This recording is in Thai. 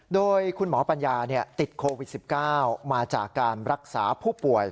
โดยคุณหมอปัญญาติดโควิด๑๙มาจากการรักษาผู้ป่วย